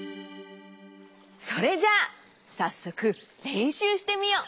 それじゃあさっそくれんしゅうしてみよう。